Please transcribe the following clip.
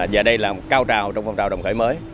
và đây là một cao trào trong phong trào đồng khởi mới